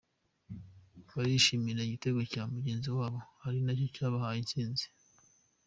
Barishimira igitego cya mugenzi wabo ari nacyo cyabahaye intsinze.